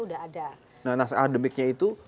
sudah ada nah maska akademiknya itu